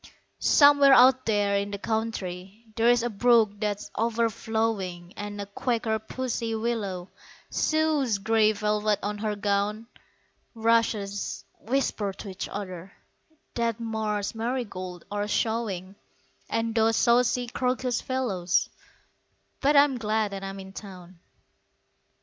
Somewhere out there in the country There's a brook that's overflowing, And a quaker pussy willow Sews grey velvet on her gown; Rushes whisper to each other That marsh marigolds are showing, And those saucy crocus fellows But I'm glad that I'm in town.